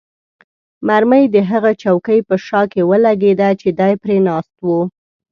مرمۍ د هغه چوکۍ په شا کې ولګېده چې دی پرې ناست وو.